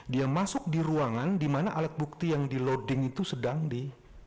dia masuk di ruangan di mana alat bukti yang di loading itu sedang di